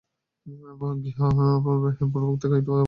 গৃহে পূর্বোক্ত কয়েকটি দ্রব্য ছাড়া আর কিছুই নাই।